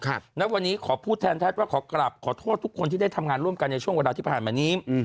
ณวันนี้ขอพูดแทนแพทย์ว่าขอกลับขอโทษทุกคนที่ได้ทำงานร่วมกันในช่วงเวลาที่ผ่านมานี้